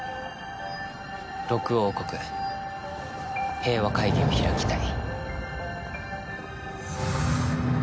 ６王国平和会議を開きたい。